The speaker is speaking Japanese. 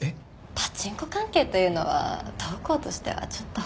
パチンコ関係というのは当行としてはちょっと。